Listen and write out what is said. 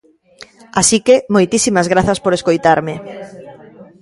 Así que, moitísimas grazas por escoitarme.